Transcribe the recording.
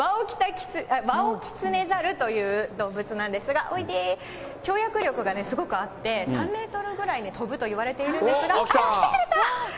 ワオキツネザルという動物なんですが、おいで、跳躍力がすごくあって、３メートルぐらい跳ぶといわれてるんですが、来てくれた。